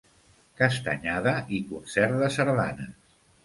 Castanyada i concert de sardanes.